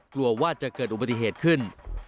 กลัวว่าจะเกิดอุบัติเหตุขึ้น